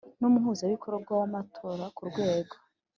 n umuhuzabikorwa w amatora ku rwego